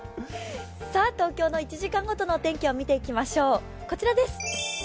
東京の１時間ごとの天気を見ていきましょう。